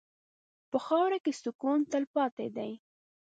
په خاوره کې سکون تلپاتې دی.